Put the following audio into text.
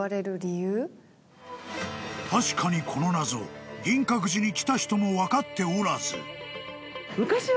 ［確かにこの謎銀閣寺に来た人も分かっておらず］